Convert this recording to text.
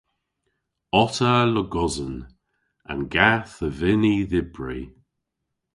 Otta logosen. An gath a vynn y dhybri.